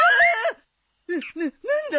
なな何だ。